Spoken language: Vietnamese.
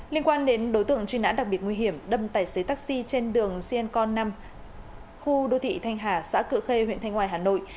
liên quan đến đối tượng truy nã đặc biệt nguy hiểm đâm tài xế taxi trên đường siencon năm khu đô thị thanh hà xã cự khê huyện thanh ngoài hà nội